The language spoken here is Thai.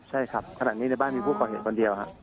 ใช่ครับขณะนี้ในบ้านมีผู้ก่อเหตุคนเดียวครับ